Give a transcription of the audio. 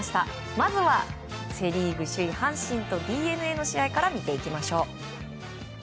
まずはセ・リーグ首位、阪神とＤｅＮＡの試合から見ていきます。